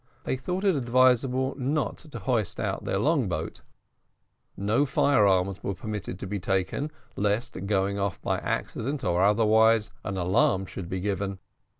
They thought it advisable not to hoist out their long boat; no fire arms were permitted to be taken lest, going off by accident or otherwise, an alarm should be given.